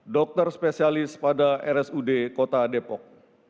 dokter spesialis pada rsud kota depok